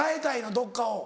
どっかを。